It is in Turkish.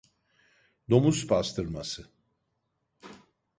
Domuz pastırması.